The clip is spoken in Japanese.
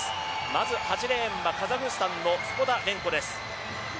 まず８レーンはカザフスタンのスポダレンコ。